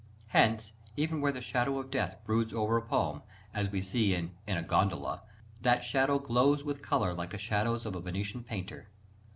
Hence, even where the shadow of death broods over a poem, as we see it In a Gondola, that shadow "glows with colour like the shadows of a Venetian painter."